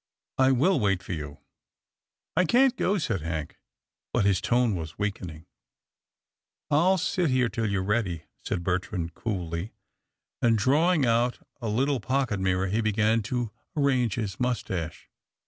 I will wait for you." " I can't go," said Hank, but his tone was weak ening. " I'll sit here till you're ready," said Bertrand coolly, and, drawing out a little pocket mirror he began to arrange his mustache.